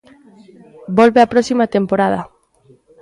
Volve a próxima temporada.